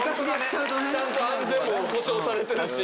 ちゃんと安全も保障されてるし。